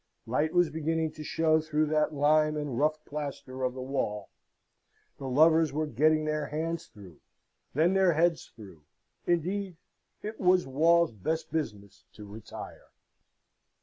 Light was beginning to show through that lime and rough plaster of the wall: the lovers were getting their hands through, then their heads through indeed, it was wall's best business to retire.